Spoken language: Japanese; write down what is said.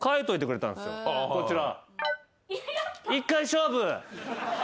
こちら。